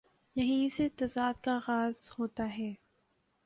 یہیں سے تضاد کا آ غاز ہو تا ہے۔